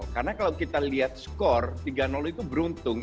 karena kalau kita lihat skor tiga itu beruntung